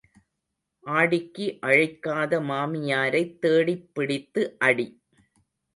ஆடிக்கு அழைக்காத மாமியாரைத் தேடிப் பிடித்து அடி.